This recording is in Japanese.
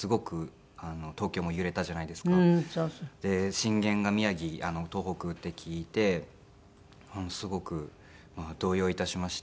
震源が宮城東北って聞いてすごく動揺致しまして。